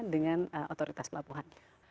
dengan otoritas pelabuhan